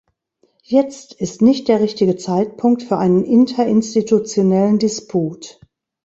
Jetzt ist nicht der richtige Zeitpunkt für einen interinstitutionellen Disput.